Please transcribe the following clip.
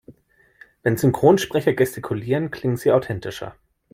Wenn Synchronsprecher gestikulieren, klingen sie authentischer.